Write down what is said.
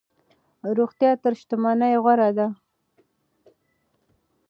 روغتیا تر شتمنۍ غوره ده.